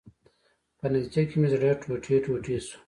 په نتیجه کې مې زړه ټوټې ټوټې شو.